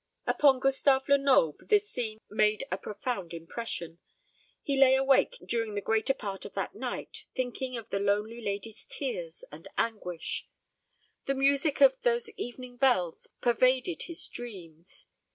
Upon Gustave Lenoble this scene made a profound impression. He lay awake during the greater part of that night, thinking of the lonely lady's tears and anguish. The music of "Those evening bells" pervaded his dreams.